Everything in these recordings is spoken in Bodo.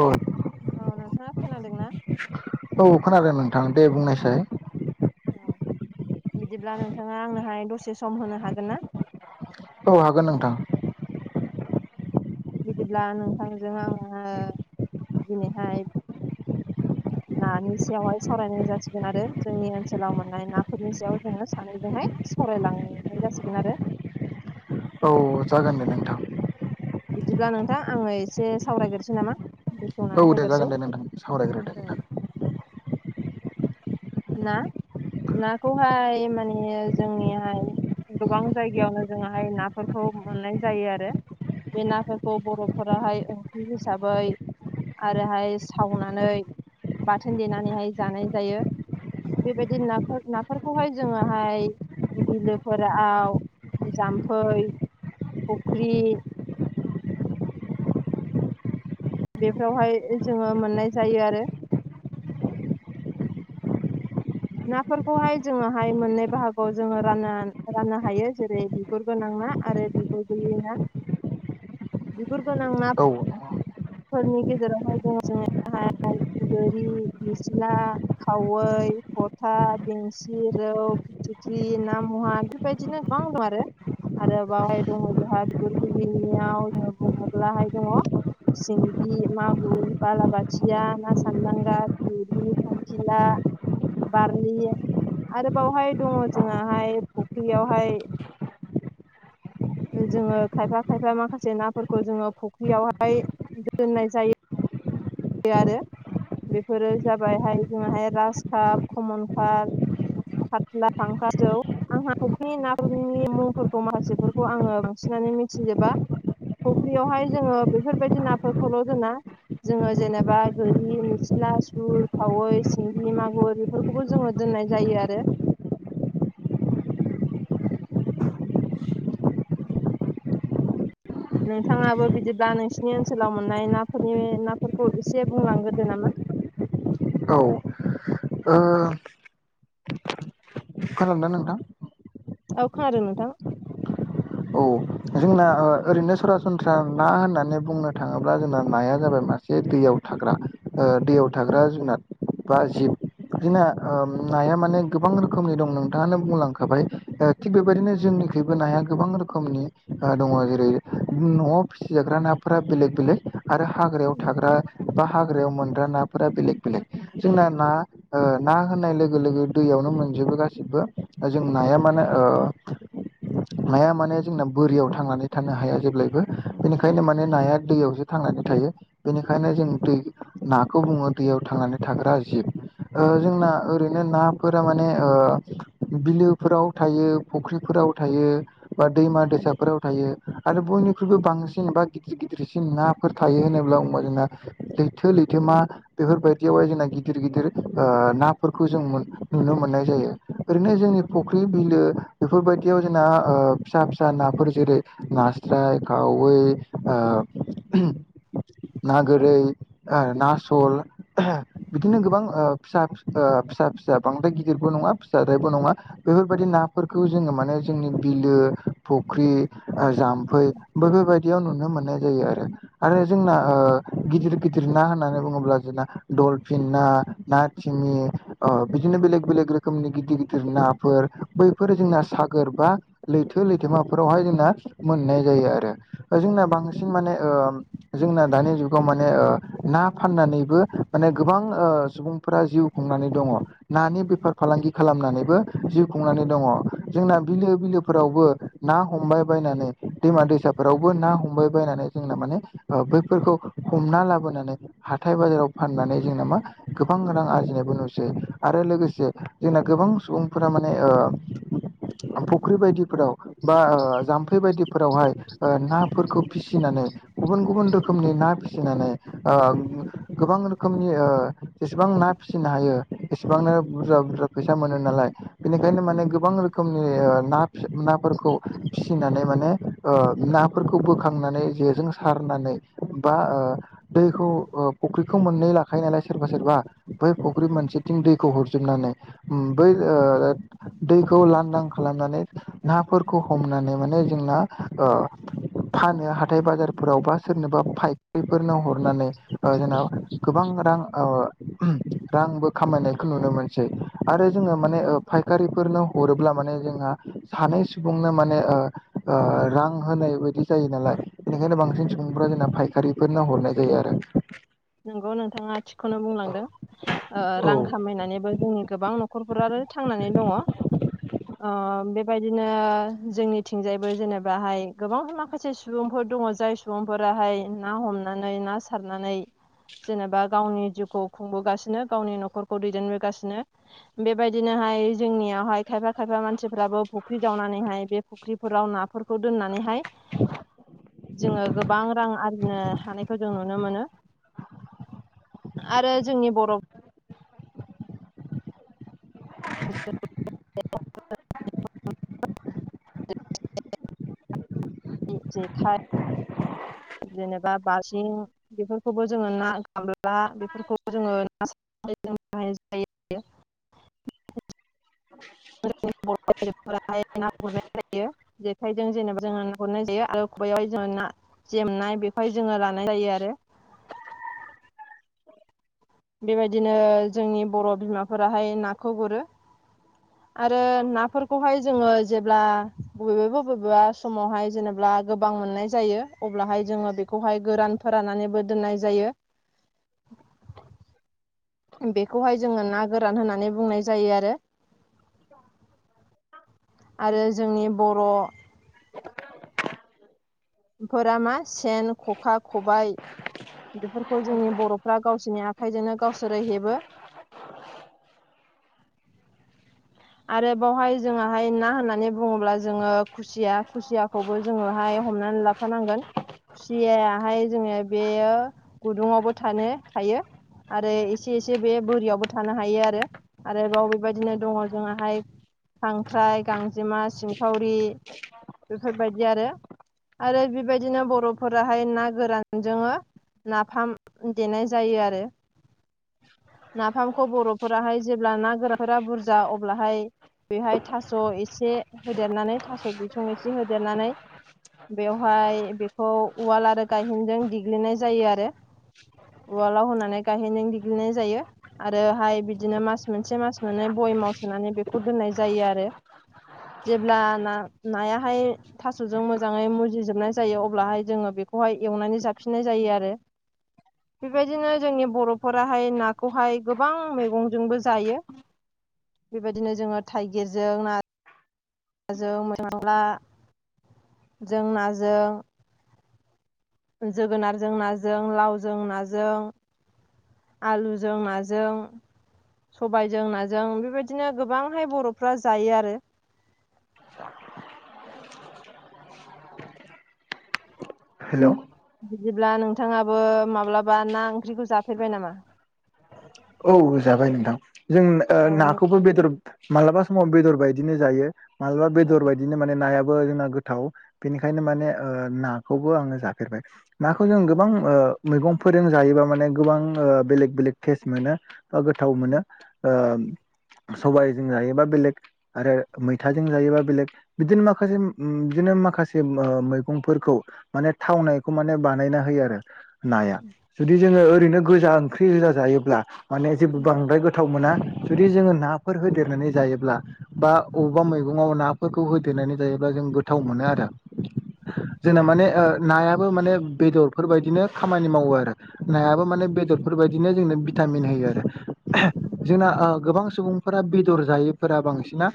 औ औ नोंथाङा खोनादोंना औ खोनादों नोंथां दे बुंनायसाय औ बिदिब्ला नोंथाङा आंनोहाय दसे सम होनो हागोन ना औ हागोन नोंथां बिदिब्ला नोंथांजों आङो दिनैहाय नानि सायावहाय सावरायनाय जासिगोन आरो जोंनि ओनसोलाव मोननाय नाफोरनि सायाव जोङो सानैजोंहाय सावरायलांनाय जासिगोन आरो औ जागोन दे नोंथां बिदिब्ला नोंथां आङो एसे सावरायग्रोसै नामा औ बेखेवनानै दे होग्रोसै जागोन दे नोंथां सावरायग्रो दे औ ना नाखौहाय माने जोंनिहाय गोबां जायगायावनो जोंहाय नाफोरखौ मोननाय जायो आरो बे नाफोरखौ बर'फोराहाय ओंख्रि हिसाबै आरोहाय सावनानै बाथोन देनानैहाय जानाय जायो। बेबायदि ना नाफोरखौहाय जोङोहाय बिलोफोराव जाम्फै फुख्रि बेफोरावहाय जोङो मोननाय जायो आरो नाफोरखौहाय जोङोहाय मोननै बाहागोआव जोङो रान राननो हायो जेरै बिगुर गोनां ना आरो बिगुर गैयि ना बिगुर गोनां ना औ फोरनि गेजेरावहाय दं जोङो गोरि निस्ला खावै थथा बेंसि रौ फिथिख्रि ना महा बेबायदिनो गोबां दं आरो आरोबाव [unintelligible] दङो सिंगि मागुर बालाबाथिया ना सान्दांगा थुरि खांखिला बारलि आरोबावहाय दङ जोंहाय फुख्रियावहाय जोङो खायफा खायफा माखासे नाफोरखौ जोङो फुख्रियावहाय दोननाय जायो। आरो बेफोरो जाबायहाय जोंहाय ग्रास काप कमन काप फाथ्ला फांकाज खौ आंहा फुख्रिनि नानि मुंफोरखौ माखासेफोरखौ आङो बांसिनानो मिथिजोबा फुख्रियावहाय जोङो बेफोरबायदि नाफोरखौल' दोना जोङो जेनेबा गोरि निसिला सु खावै सिंगि मागुर बेफोरखौ बो जोङो दोननाय जायो आरो नोंथाङाबो बिदिब्ला नोंसिनि ओनसोलाव मोननाय नाफोरनि नाफोरखौ एसे बुंलांग्रोदो नामा औ ओ खोनादोंना नोंथां औ खोनादों नोंथां औ जोंना ओ ओरैनो सरासनस्रा ना होननानै बुंनो थाङोब्ला जोंना नाया जाबाय मासे दैयाव थाग्रा ओ दैयाव थाग्रा उम जुनार बा जिब बिदिना ओ नाया माने गोबां रोखोमनि दं नोंथाङानो बुंलांखाबाय दा थिग बेबायदिनो जोंनिखैबो नाया गोबां रोखोमनि ओ दङ जेरै न'आव फिसिजाग्रा नाफोरा बेलेग बेलेग आरो हाग्रायाव उम थाग्रा बा हाग्रायाव मोनग्रा नाफोरा बेलेग बेलेग जोंना ना ओ ना होननाय लोगो लोगो दैयावनो मोनजोबो गासिबो दा जों उम नाया मानो ओ नाया माने जोंना बोरियाव थांनानै थानो हाया जेब्लायबो बेनिखायनो माने नाया दैयावसो थांनानै थायो बेनिखायनो जों दै नाखौ बुङो दैयाव थांनानै थाग्रा जिब ओ जोंना ओरैनो नाफोरा माने ओ बिलोफोराव थायो फुख्रिफोराव थायो बा दैमा दै साफोराव थायो आरो बयनिख्रुइबो बांसिन बा गिदिर गिदिरसिन नाफोर थायो होनोब्ला बुंबा जोंना लैथो लैथोमा बेफोरबायदियाव हाय जोंना गिदिर गिदिर ओ नाफोरखौ जों नुनो मोननाय जायो ओरैनो जोंनि फख्रि बिलो बेफोरबायदियाव जोंना ओ फिसा फि सा नाफोर जेरै नास्राय खावै ओ ना गोरै ओ ना सल बिदिनो गोबां ओ फिसा ओ फिसा फिसा बांद्राय गिदिरबो नङा फिसाद्रायबो नङा बेफोरबायदि नाफोरखौ जोङो माने जोंनि बिलो फख्रि ओ जाम्फै बेफोरबायदियाव नुनो मोननाय जायो आरो आरो जोंना ओ गिदिर गिदिर ना होननानै बुङोब्ला जोंना दलफिन ना ना जोंनि ओ बिदिनो बेलेग बेलेग रोखोमनि गिदिर गिदिर नाफोर बैफोर जोंना सागोर बा लैथो लैथोमाफोरावहाय जोंना मोननाय जायो आरो जोंना बांसिन माने ओ जोंना दानि जुगाव माने ओ ना फाननानैबो माने गोबां ओ सुबुंफोरा जिउ खुंनानै दङ नानि बेफार फालांगि खालामनानैबो जिउ खुंनानै दङ जोंना बिलो बिलो फोरावबो ना हमबाय बायनानै दैमा दैसाफोरावबो ना हमबाय बायनानै जोंना माने ओ बैफोरखौ हमना लाबोनानै हाथाय बाजाराव फाननानै जोंना मा गोबां रां आरजिनायबो नुसै आरो लोगोसे जोंना गोबां सुबुंफोरा माने ओ फुख्रि बायदिफोराव बा ओ जाम्फै बायदिफोरावहाय ओ नाफोरखौ फिसिनानै गुबुन गुबुन रोखोमनि ना फिसिनानै ओ गोबां रोखोमनि ओ जेसेबां ना फिसिनो हायो एसेबांनो बुरजा बुरजा फैसा मोनो नालाय बेनिखायनो माने गोबां रोखोमनि ओ ना फिसा ना फोरखौ फिसिनानै माने ओ नाफोरखौ बोखांनानै जेजों सारनानै बा ओ दैखौ ओ फख्रिखौ मोननै लाखायो नालाय सोरबा सोरबा बै फख्रि उम मोनानसेथिं दैखौ हर जोबनानै उम बै ओ दैखौ लांदां खालामनानै नाफोरखौ हमनानै माने जोंना ओ फानो हाथाय बाजारफोराव बा सोरनोबा पाइप बेफोरनो हरनानै ओ जोंना गोबां रां ओ रांबो खामायनायखौ नुनो मोनसै आरो जोङो माने नंगौ ओ फायखारिफोरनो हरोब्ला माने जोंहा सानै सुबुंनो माने ओ ओ रां होनाय बायदि जायो नालाय बेनिखायनो बांसिन सुबुंफोरा जोंना फायखारिफोरनो हरनाय जायो आरो। नंगौ नोंथाङा थिखौनो बुंलांदों ओ औ रां खामायनानैबो जोंनि गोबां न' नखरफोर आरो थांनानै दङ ओ बे बेबायदिनो जोंनिथिंजायबो जेनेबा हाय गोबां माखासे सुबुंफोर दङ जाय सुबुंफोरा हाय ना हमनानै ना सारनानै जेनेबा गावनि जिउखौ खुंबोगासिनो गावनि नखरखौ दैदेनबोगासिनो बेबायदिनोहाय जोंनियावहाय खायफा खायफा मानसिफ्राबो फुख्रि जावनानैहाय बे फुख्रिफोराव नाफोरखौ दोननानै हाय जोङो गोबां रां आरजिनो हानायखौ जों नुनो मोनो। आरो जोंनि बर [inaudible] जेखाइ जेनेबा बाजिं बेफोरखौबो जोङो ना [unintelligible] बेफोरखौ जोङो ना सारनानै जों बाहाय जायो। बर' आइजोफोराहाय ना गुरनाय जायो। जेखाइजों जेनेबा जोङो ना गुरनाय जायो आरो खबायाव जोङो ना जेमनाय बेखौ जोङो लानाय जायो आरो। बेबायदिनो जोंनि बर' बिमाफोराहाय नाखौ गुरो आरो नाफोरखौहाय जोङो जेब्ला बबेबा बबेबा समावहाय जेनेबा गोबां मोननाय जायो अब्लाहाय जोङो बेखौहाय गोरान फोराननानैबो दोननाय जायो। बेखौहाय जोङो ना गोरान होननानै बुंनाय जायो आरो। [inaudible] आरो जोंनि बर' [inaudible] फोरा मा सेन ख'खा खबाय बेफोरखौ जोंनि बर'फ्रा गावसोरनि आखाइजोंनो गावसोरो हेबो। आरो बावहाय जोङाहाय ना होननानै बुङोब्ला जोङो खुसिया खुसियाखौबो जोङोहाय हमनानै खुरखानांगोन खुसियाहाय जोङो बेयो गुदुङावबो थानो थायो आरो एसे एसे बे बोरियावबो थानो हायो आरो आरो बेव बेबायदिनो दङ जोंहा हाय खांख्राइ गांजेमा सिंखावरि बेफोरबायदि आरो। आरो बेबायदिनो बर'फोराहाय ना गोरान जोङो नाफाम देनाय जायो आरो। नाफामखौ बर'फोराहाय जेब्ला ना गोरानफोरा बुरजा अब्लाहाय बेहाय थास' एसे होदेरनानै थास' बिसं एसे होदेरनानै बेवहाय बेखौ उवाल आरो गायहेनजों देग्लिनाय जायो आरो। उवालाव होनानै गायहेनजों देग्लिनाय जायो। आरोहाय बिदिनो मास मोनसे मास मोननै बयेमाव सोनानै बेखौ दोननाय जायो आरो। जेब्ला ना नायाहाय थास'जों मोजाङै मुजिजोबनाय जायो अब्लाहाय जोङो बेखौहाय एवनानै जाफिननाय जायो आरो। बेबायदिनो जोंनि बर'फोराहाय नाखौहाय गोबां मैगंजोंबो जायो। बेबायदिनो जोङो थाइगिरजों ना नाजों मैथा मांला जों नाजों जोगोनारजों नाजों, लावजों नाजों आलुजों नाजों सबायजों नाजों बेबायदिनो गोबांहाय बर'फ्रा जायो आरो। हेल'? बिदिब्ला नोंथाङाबो माब्लाबा ना ओंख्रिखौ जाफेरबाय नामा? औ जाबाय नोंथां जों ओ औ नों नाखौबो बेदर मालाबा समाव बेदर बायदिनो जायो मालाबा औ बेदर बायदि बिदिनो माने नायाबो जोंना गोथाव बेनिखायनो माने ओ नाखौबो आङो जाफेरबाय। नाखौ जों औ गोबां ओ मैगं फोरजों जायोबा माने गोबां ओ बेलेग बेलेग टेस्ट मोनो गोथाव मोनो ओ सबायाइजों जायोबा बेलेग आरो मैथाजों जायोबा बेलेग बिदिनो माखासे ओम बिदिनो माखासे मैगंफोरखौ माने थावनायखौ माने बानायना होयो आरो। नाया जुदि जोङो ओरैनो गोजा ओंख्रि गोजा जायोब्ला माने जेबो बांद्राय गो थाव मोना जुदि जोङो नाफोर होदेरनानै जायोब्ला बा अबेबा मैगंयाव ना फोरखौ होदेरनानै जायोब्ला जों गोथाव मोनो आरो। जोंना माने ओ नायाबो माने बेदरफोरबायायदिनो खामानि मावो आरो। नायाबो माने बेदरफोरबायदिनो जोंनो भिटामिन होयो आरो। जोंना आ गोबां सुबुं फोरा बेदर जायैफोरा बांसिना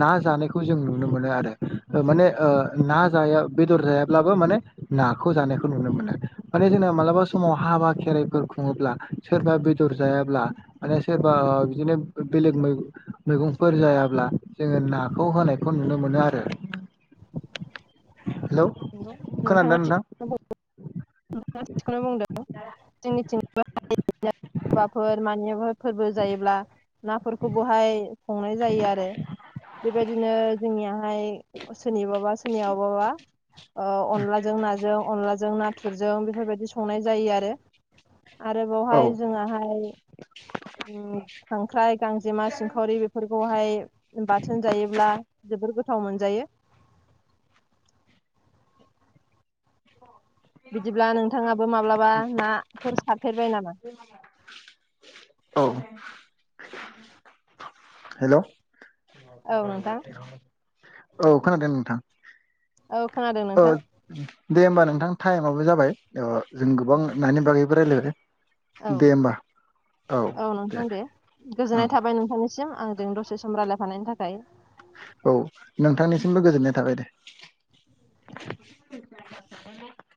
ना जानायखौ जों नुनो मोनो आरो। ओ माने ओ ना जाया बेदर जायाब्लाबो माने नाखौ जानायखौ नुनो मोनो। माने जोंना मालाबा समाव हाबा खेराइफोर खुङोब्ला सोरबा बे दर जायाब्ला माने सोरबा ओ बिदिनो बेलेग मै-मैगंफोर जायाब्ला जोङो नाखौ होनायखौ नुनो मोनो आरो। हेलौ नोंगौ नोंथाङा खोनादोंना थिग नोंथां [unintelligible] नोंथाङा थिखौनो बुंदों जोंनिथिं [unintelligible] बाफोर मानिफोर फोरबो जायोब्ला नाफोरखौ बहाय संनाय जायो आरो। बेबायदिनो जोंनियाहाय सोरनिबाबा सोरनियावबाबा ओ अनलाजों नाजों अनलाजों ना थुरजों बेफोरबायदि संनाय जायो आरो आरो बेवहाय औ जोंहाहाय खांख्राइ गांजेमा सिंखावरि बेफोरखौहाय बाथोन जायोब्ला जोबोर गोथाव मोनजायो। बिदिब्ला नोंथाङाबो माब्लाबा ना फोर सारफेरबाय नामा? [inaudible] औ हेल' औ नोंथां औ खोनादों नोंथां। औ खोनादों ओ नोंथां। दे होमबा नोंथां टाइमाबो जाबाय ओ जों गोबां नानि बागैबो रायज्लायबाय। औ औ नोंथां दे ओं गोजोननाय थाबाय नोंथांनिसि सिम आंजों दसे सम रायलायफानायनि थाखाय औ नोंथांनिसिमबो गोजोननाय थाबाय दे।